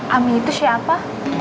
ami itu siapa